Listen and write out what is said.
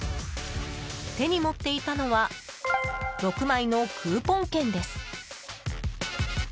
手に持っていたのは６枚のクーポン券です。